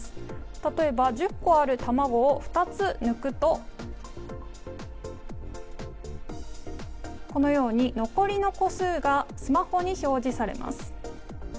例えば、１０個ある卵を２つ抜くと、残りの個数がスマホに表示されます。